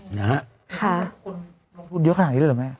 เฮ้อค่ะ